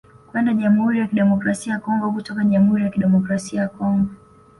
Kwenda Jamhuri ya Kidemokrasia ya Kongo au kutoka jamhuri ya Kidemokrasia ya Congo